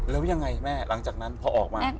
แล้วยังไงแม่หลังจากนั้นพอออกมา